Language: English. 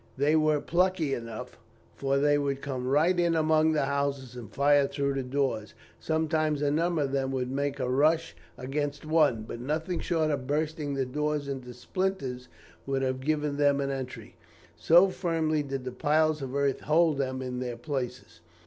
They were plucky enough, for they would come right in among the houses and fire through the doors, and sometimes a number of them would make a rush against one; but nothing short of bursting the doors into splinters would have given them an entry, so firmly did the piles of earth hold them in their places.